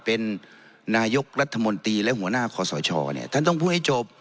เป็นนายกรัฐมนตรีและหัวหน้าคอสชเนี่ยท่านต้องพูดให้จบ